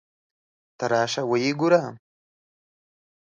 ته راشه ویې ګوره.